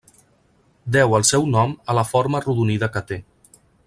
Deu el seu nom a la forma arrodonida que té.